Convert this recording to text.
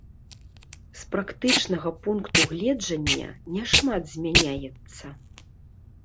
З практычнага пункту гледжання няшмат змяняецца.